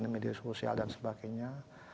media sosial dan sebagainya